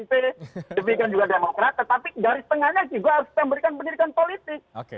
dipilihkan juga demokrasi tapi dari setengahnya sih gue harus memberikan pendidikan politik